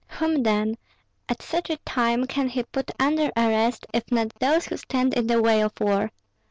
Whom, then, at such a time can he put under arrest, if not those who stand in the way of war?